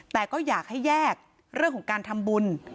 แต่ก็อยากให้แยกเรื่องของการทำบุญ